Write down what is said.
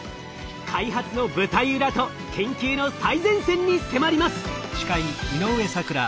開発の舞台裏と研究の最前線に迫ります！